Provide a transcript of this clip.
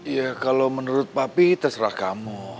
ya kalau menurut papi terserah kamu